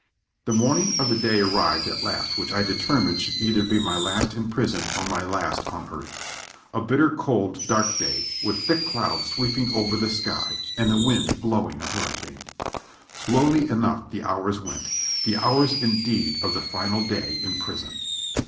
The morning of the day arrived at last which I determined should either be my last in prison or my last on earth. A bitter cold, dark day, with thick clouds sweeping over the sky and the wind blowing a hurricane. Slowly enough the hours went, the hours indeed of the final day in prison.